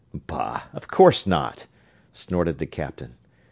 ] "Bah! Of course not!" snorted the captain.